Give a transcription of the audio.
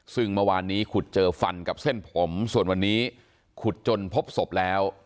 ซึ่งเมื่อวานนี้ขุดเจอฟันกับเส้นผมส่วนวันนี้ขุดจนพบศพแล้ว